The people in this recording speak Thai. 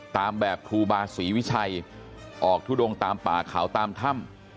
ตามแบบครูบาศรีวิชัยออกทุดงตามป่าเขาตามถ้ำ